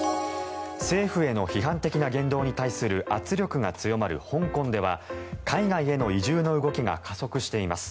政府への批判的な言動に対する圧力が強まる香港では海外への移住の動きが加速しています。